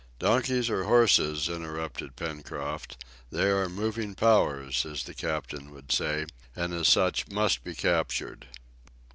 "Donkeys or horses," interrupted Pencroft, "they are 'moving powers,' as the captain would say, and as such must be captured!"